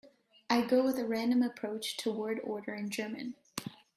I go with a random approach to word order in German.